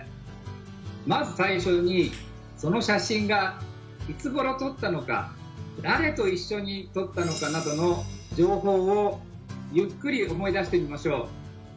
まず最初にその写真がいつごろ撮ったのか誰と一緒に撮ったのかなどの情報をゆっくり思い出してみましょう。